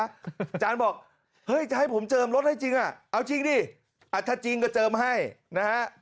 อาจารย์บอกเฮ้ยจะให้ผมเจิมรถให้จริงอ่ะเอาจริงดิถ้าจริงก็เจิมให้นะฮะ